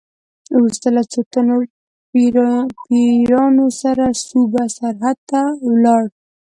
وروسته له څو تنو پیروانو سره صوبه سرحد ته ولاړ.